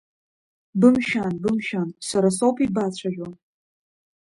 Бымшәан, бымшәан, сара соуп ибацәажәо…